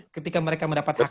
ketika mereka mendapat hak